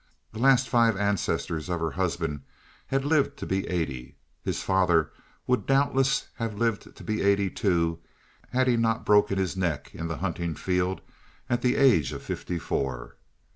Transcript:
The last five ancestors of her husband had lived to be eighty. His father would doubtless have lived to be eighty too, had he not broken his neck in the hunting field at the age of fifty four.